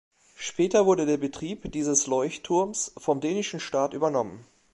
Später wurde der Betrieb dieses Leuchtturms vom dänischen Staat übernommen.